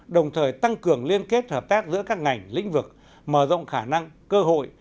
đồng thời tăng cường liên kết hợp tác giữa các ngành lĩnh vực mở rộng khả năng cơ hội